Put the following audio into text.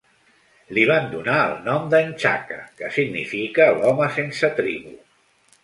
Li van donar el nom de N'Chaka, que significa "l'home sense tribu".